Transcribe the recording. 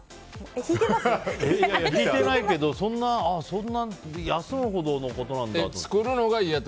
引いてないけど休むほどのことなんだって。